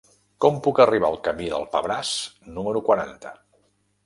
Com puc arribar al camí del Pebràs número quaranta?